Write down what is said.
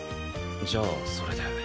じゃあそれで。